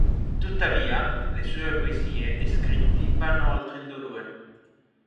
Tuttavia, le sue poesie e scritti vanno oltre il dolore.